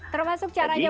termasuk caranya musisi